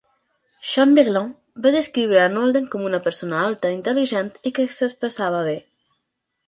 Chamberlain va descriure en Holden com una persona alta, intel·ligent i que s"expressava bé.